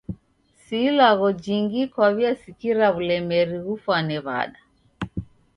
Si ilagho jingi kwaw'iasikira w'ulemeri ghugfwane w'ada.